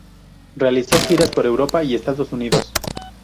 Realizó giras por Europa y Estados Unidos.